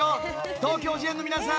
東京事変の皆さん